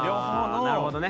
あなるほどね。